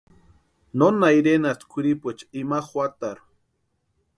Nónha irenhasti kwʼiripuecha ima juatarhu.